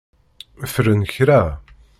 Fren kra.